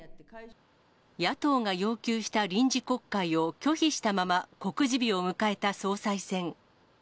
野党が要求した臨時国会を拒否したまま告示日を迎えた総裁選。